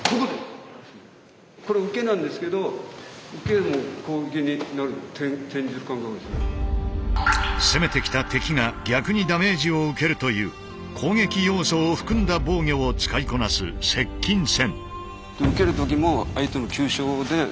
これ受けなんですけど攻めてきた敵が逆にダメージを受けるという攻撃要素を含んだ防御を使いこなす接近戦。